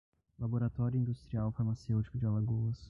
Laboratório Industrial Farmacêutico de Alagoas